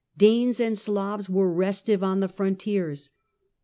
Danes and Slavs were restive on the frontiers.